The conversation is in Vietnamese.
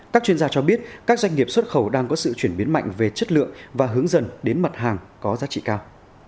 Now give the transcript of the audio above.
các chuyên gia cho biết các doanh nghiệp xuất khẩu đang có sự chuyển biến mạnh về chất lượng và hướng dần đến mặt hàng có giá trị cao